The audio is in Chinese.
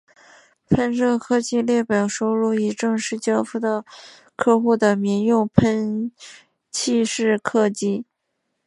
喷射客机列表收录已正式交付到客户的民用喷气式客机。